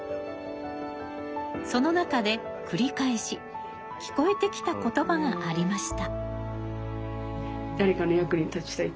その中で繰り返し聞こえてきた言葉がありました。